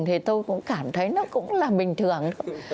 thì tôi cũng cảm thấy nó cũng là bình thường